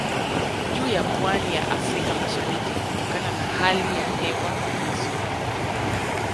Juu ya pwani ya Afrika mashariki kutokana na hali ya hewa nzuri